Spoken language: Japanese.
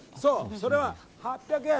それは８００円！